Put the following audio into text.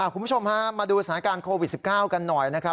คุณผู้ชมฮะมาดูสถานการณ์โควิด๑๙กันหน่อยนะครับ